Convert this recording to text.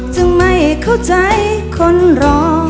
จึงไม่เข้าใจคนรอ